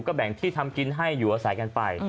แบ่งที่ทำกินให้อยู่อาศัยกันไป